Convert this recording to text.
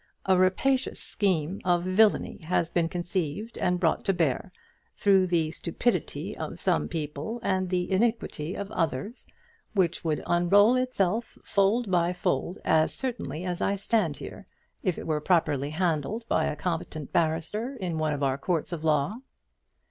A rapacious scheme of villainy has been conceived and brought to bear, through the stupidity of some people and the iniquity of others, which would unroll itself fold by fold as certainly as I stand here, if it were properly handled by a competent barrister in one of our courts of law."